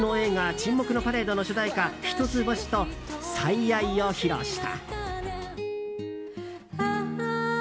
「沈黙のパレード」の主題歌「ヒトツボシ」と「最愛」を披露した。